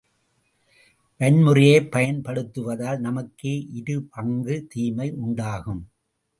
வன்முறையைப் பயன்படுத்துவதால் நமக்கே இரு பங்கு தீமை உண்டாகும்.